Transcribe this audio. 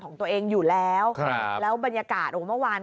ของตัวเองอยู่แล้วครับแล้วบรรยากาศโอ้โหเมื่อวาน